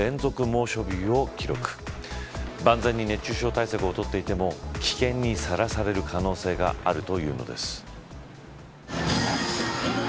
万全に熱中症対策を取っていても危険にさらされる可能性があるというのです。